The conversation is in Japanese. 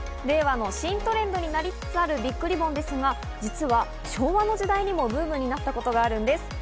令和の新トレンドになりつつあるビッグリボンですが、実は昭和の時代にもブームになったことがあるんです。